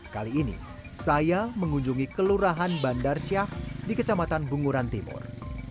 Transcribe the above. kali ini saya mengunjungi kelurahan bandarsyah di kecamatan bunguran timur